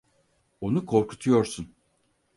Onu korkutuyorsun!